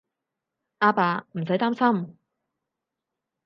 阿爸，唔使擔心